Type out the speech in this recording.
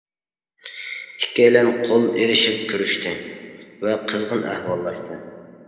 ئىككىيلەن قول ئېلىشىپ كۆرۈشتى ۋە قىزغىن ئەھۋاللاشتى.